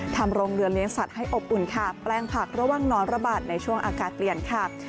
ทำโรงเรือเลี้ยงสัตว์ให้อบอุ่นค่ะแปลงผักระหว่างนอนระบาดในช่วงอากาศเปลี่ยนค่ะ